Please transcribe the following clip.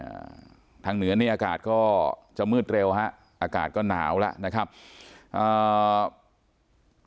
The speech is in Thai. อ่าทางเหนือนี่อากาศก็จะมืดเร็วฮะอากาศก็หนาวแล้วนะครับอ่า